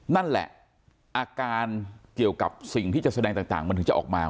นั่นแหละอาการเกี่ยวกับสิ่งที่จะแสดงต่างมันถึงจะออกมา